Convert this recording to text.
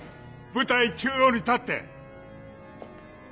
舞台中央に立って！